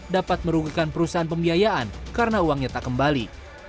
dapat merugikan perusahaan pembiayaan karena uangnya tak kembali